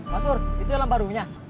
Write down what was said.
mas nur itu jalan barunya